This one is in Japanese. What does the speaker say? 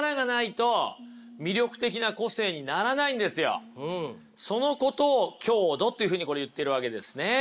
そもそもそのことを強度っていうふうにこれ言ってるわけですね。